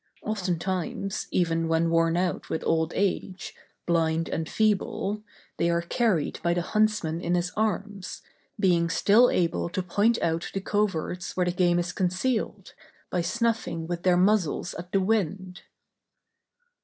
Oftentimes even when worn out with old age, blind, and feeble, they are carried by the huntsman in his arms, being still able to point out the coverts where the game is concealed, by snuffing with their muzzles at the wind.